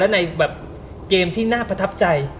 แล้วในเกมที่น่าพระพัฒนาใจ